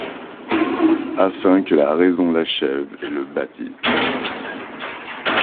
Afin que la raison l’achève et le bâtisse